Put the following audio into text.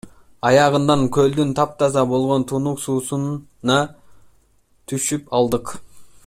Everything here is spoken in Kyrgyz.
Аягында көлдүн таптаза болгон тунук суусуна түшүп алдык.